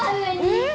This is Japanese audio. えっ！？